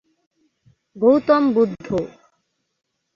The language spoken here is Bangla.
গৌতম বুদ্ধ